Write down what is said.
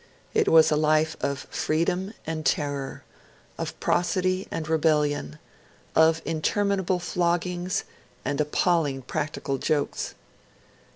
It was a life of freedom and terror, of prosody and rebellion, of interminable floggings and appalling practical jokes.